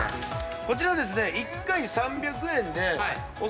こちらですね。